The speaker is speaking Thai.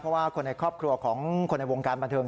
เพราะว่าคนในครอบครัวของคนในวงการบันเทิง